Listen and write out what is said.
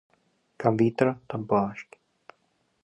Kam vítr, tam plášť